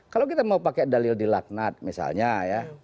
kalau kita mau pakai dalil di laknat misalnya ya